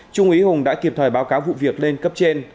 trung ý hùng đã kịp thời báo cáo vụ việc lên cấp trên